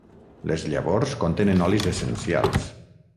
Les llavors contenen olis essencials.